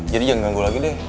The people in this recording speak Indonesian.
jadi jangan ganggu lagi deh